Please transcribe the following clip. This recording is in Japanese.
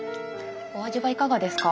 お味はいかがですか？